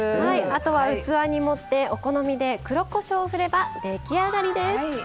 あとは器に盛ってお好みで黒こしょうをふれば出来上がりです。